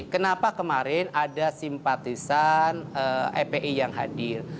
kenapa kemarin ada simpatisan fpi yang hadir